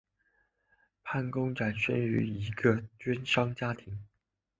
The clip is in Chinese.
潘公展生于一个绢商家庭。